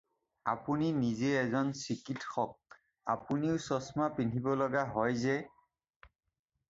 আপুনি নিজে এজন চিকিৎসক, আপুনিও চছমা পিন্ধিব লগা হয় যে?